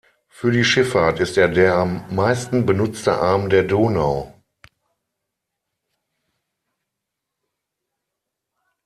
Für die Schifffahrt ist er der am meisten benutzte Arm der Donau.